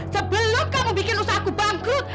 sebelum kamu bikin usaha aku bangkit